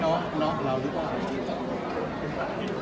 ต้องเพราะอะไรนะครับ